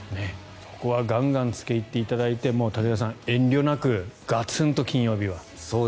そこはガンガン付け入っていただいて武田さん、遠慮なくガツンと金曜日は。